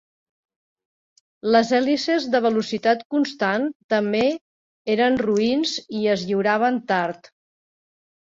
Les hèlices de velocitat constant també eren roïns i es lliuraven tard.